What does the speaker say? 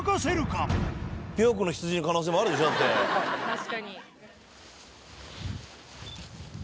確かに。